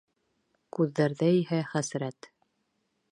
Күҙҙәрҙә иһә — хәсрәт.